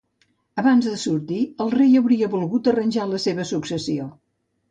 Abans de sortir el rei hauria volgut arranjar la seva successió.